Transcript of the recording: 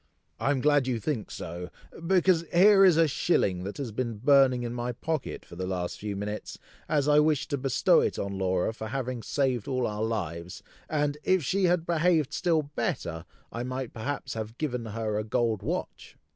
"I am glad you think so, because here is a shilling that has been burning in my pocket for the last few minutes, as I wished to bestow it on Laura for having saved all our lives, and if she had behaved still better, I might perhaps have given her a gold watch!"